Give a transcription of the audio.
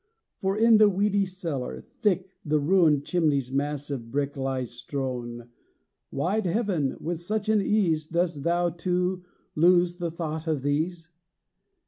For, in the weedy cellar, thick The ruined chimney's mass of brick Lies strown. Wide heaven, with such an ease Dost thou, too, lose the thought of these?